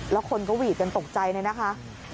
แล้วคนก็หวีดกันตกใจเลยนะคะ